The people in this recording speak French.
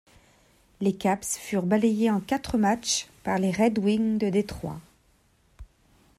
Les Caps furent balayés en quatre matches par les Red Wings de Détroit.